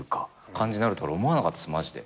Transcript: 感じになると俺思わなかったっすマジで。